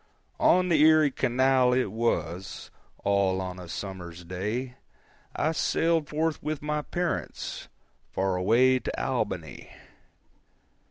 On the Erie Canal, it was, All on a summer's day, I sailed forth with my parents Far away to Albany.